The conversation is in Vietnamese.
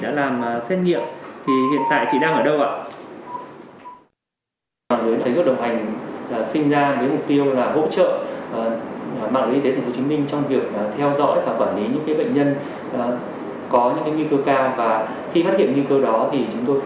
và khi phát hiện nguy cơ đó thì chúng tôi phối hợp với lại địa phương để có thể đưa bệnh nhân vào điện kịp thời